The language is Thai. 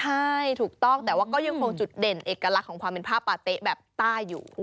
ใช่ถูกต้องแต่ว่าก็ยังคงจุดเด่นเอกลักษณ์ของความเป็นผ้าปาเต๊ะแบบใต้อยู่